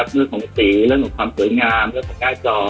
เรื่องของสีเรื่องของความสวยงามเรื่องของหน้าจอ